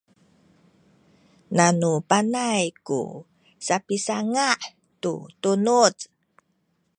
nanu panay ku sapisanga’ tu tunuz